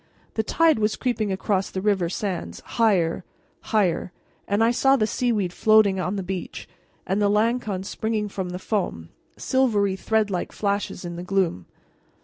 The tide was creeping across the river sands, higher, higher, and I saw the seaweed floating on the beach, and the lancons springing from the foam, silvery threadlike flashes in the gloom.